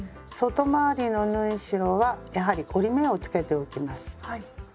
外回りの縫い代はやはり折り目をつけておきます。